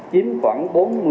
chiếm khoảng bốn mươi sáu